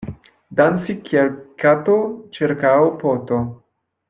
Danci kiel kato ĉirkaŭ poto.